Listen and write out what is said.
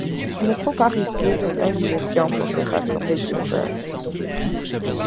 Il ne faut pas risquer une indigestion pour se rattraper d’un jeûne!